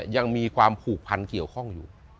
ยังมีความผูกพันเกี่ยวข้องอยู่